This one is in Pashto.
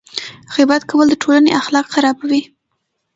غیبت کول د ټولنې اخلاق خرابوي.